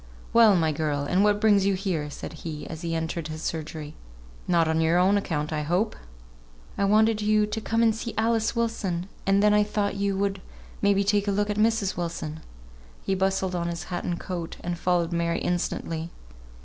"Well, my girl! and what brings you here?" said he, as he entered his surgery. "Not on your own account, I hope." "I wanted you to come and see Alice Wilson, and then I thought you would may be take a look at Mrs. Wilson." He bustled on his hat and coat, and followed Mary instantly.